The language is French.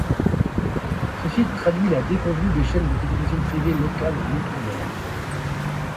Ceci traduit la déconvenue des chaînes de télévision privées locales en Outre-Mer.